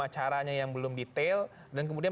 caranya yang belum detail dan kemudian